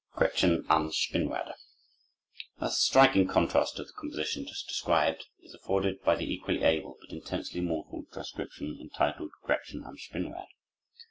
Gretchen am Spinnrad A striking contrast to the composition just described is afforded by the equally able but intensely mournful transcription entitled "Gretchen am Spinnrad."